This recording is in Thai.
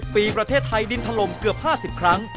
ปีประเทศไทยดินถล่มเกือบ๕๐ครั้ง